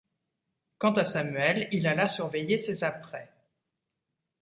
Quant à Samuel, il alla surveiller ses apprêts.